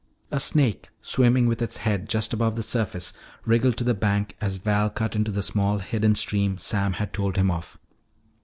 A snake swimming with its head just above the surface wriggled to the bank as Val cut into the small hidden stream Sam had told him of.